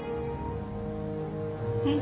えっ？